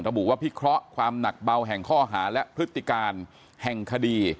ระบุว่าพิเคราะห์ความหนักเบาแห่งข้อหาและพฤติการแห่งคดี